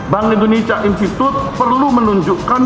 bank indonesia institute perlu menunjukkan